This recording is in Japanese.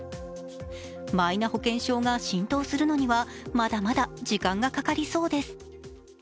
マイナ保険証が浸透するのにはまだまだ時間がかかりそうです。